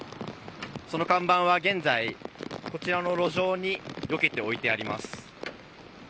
その看板は現在こちらの路上によけて置いてあります。